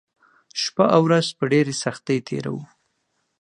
شپه او ورځ په ډېره سختۍ تېروو